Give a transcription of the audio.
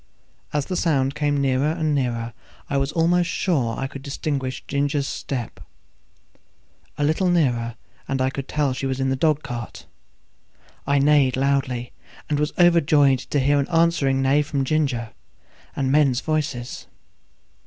As the sound came nearer and nearer I was almost sure I could distinguish Ginger's step; a little nearer still, and I could tell she was in the dog cart. I neighed loudly, and was overjoyed to hear an answering neigh from Ginger, and men's voices.